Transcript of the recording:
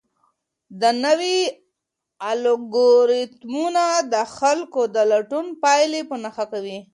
دا نوي الګوریتمونه د خلکو د لټون پایلې په نښه کوي.